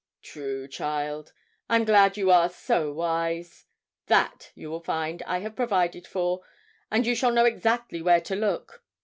'True, child; I'm glad you are so wise; that, you will find, I have provided for, and you shall know exactly where to look.